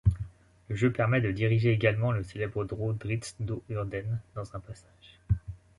Le jeu permet de diriger également le célèbre drow Drizzt Do'Urden dans un passage.